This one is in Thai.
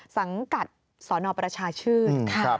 สังกัดสนประชาชื่น